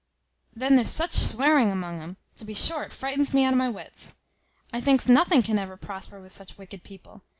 Then there's such swearing among 'um, to be sure it frightens me out o' my wits: I thinks nothing can ever prosper with such wicked people.